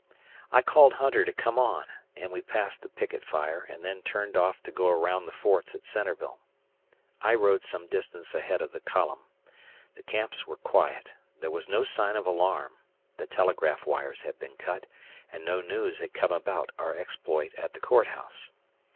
I called Hunter to come on, and we passed the picket fire and then turned off to go around the forts at Centreville. I rode some distance ahead of the column. The camps were quiet; there was no sign of alarm; the telegraph wires had been cut, and no news had come about our exploit at the Court House.